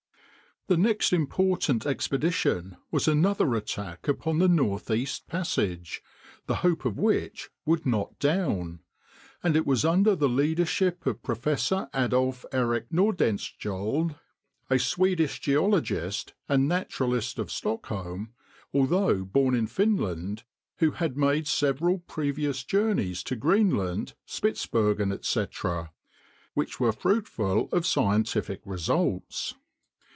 The next important expedition was another attack upon the Northeast Passage, the hope of which would not "down"; and it was under the leadership of Professor Adolf Erik Nordenskjöld, a Swedish geologist and naturalist of Stockholm, although born in Finland, who had made several previous journeys to Greenland, Spitzbergen, etc., which were fruitful of scientific results.